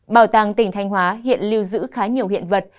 bảo tàng tỉnh thanh hóa hiện lưu giữ khá nhiều hiện vật